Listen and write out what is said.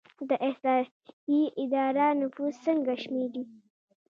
د احصایې اداره نفوس څنګه شمیري؟